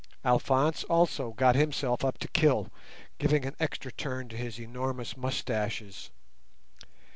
Alphonse also got himself up to kill, giving an extra turn to his enormous moustaches.